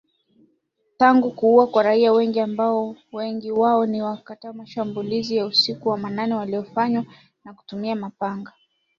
Tangu kuua raia wengi ambapo wengi wao ni katika mashambulizi ya usiku wa manane yaliyofanywa kwa kutumia mapanga